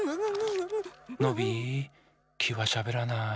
ノビーきはしゃべらない。